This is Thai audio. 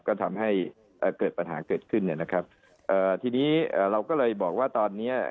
ก็ทำให้เกิดปัญหาเกิดขึ้นนะครับทีนี้เราก็เลยบอกว่าตอนนี้